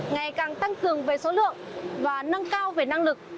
ngày càng tăng cường về số lượng và nâng cao về năng lực